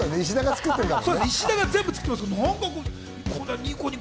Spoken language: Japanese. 石田が全部、作ってます。